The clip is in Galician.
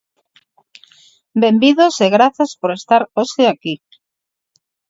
Benvidos e grazas por estar hoxe aquí.